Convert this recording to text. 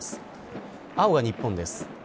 青が日本です。